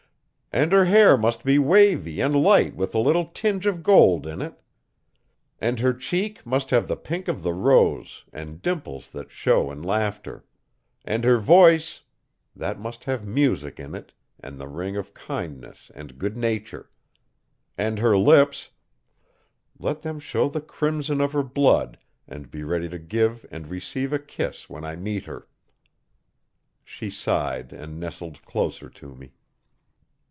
And her hair must be wavy and light with a little tinge of gold in it. And her cheek must have the pink of the rose and dimples that show in laughter. And her voice that must have music in it and the ring of kindness and good nature. And her lips let them show the crimson of her blood and be ready to give and receive a kiss when I meet her.' She sighed and nestled closer to me.